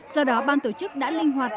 do đó ban tổ chức đã linh hoạt